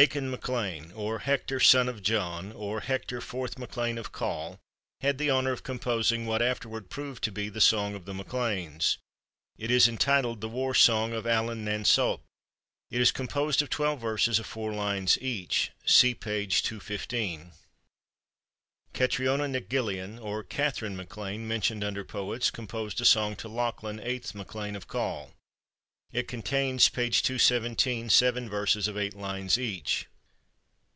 Eachunn Maclan, or Hector, son of John, or Hector, fourth MacLean of Coll, had the honor of composing what afterward proved to be the song of the Mai Leans. It is entitled "The War Song of Allan nan Sop." It is composed of twelve verses of four lines each. See page 2 15. Catriona Nic Gilleain, or Catherine MacLean, mentioned under poets, composed a song to Lachlan, eighth MacLean of Coll. It contains (p. 217) seven verses of eight lines each.